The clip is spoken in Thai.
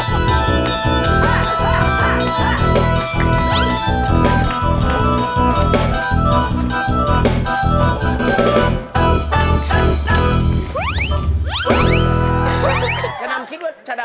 ฉะนั้นคิดว่าฉะนั้นทำได้คนเดียวหรอฮะ